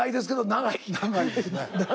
長いですね。